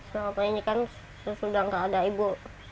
selama ini kan sudah gak ada ibu